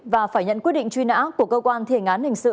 và phải nhận quyết định truy nã của cơ quan thiểng án hình sự